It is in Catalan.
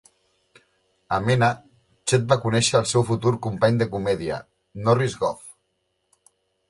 A Mena, Chet va conèixer al seu futur company de comèdia Norris Goff.